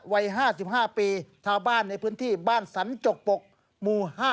วัย๕๕ปีชาวบ้านในพื้นที่บ้านสันจกปกหมู่๕